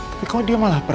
tapi kok dia malah pergi